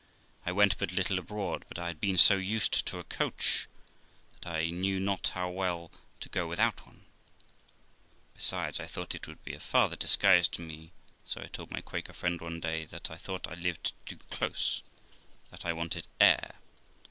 I went but little abroad, but I had been so used to a coach that I knew not how well to go without one ; besides, I thought it would be a farther disguise to me, so I told my Quaker friend one day that I thought I lived too close, that I wanted air.